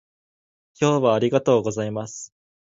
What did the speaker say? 今日はありがとうございます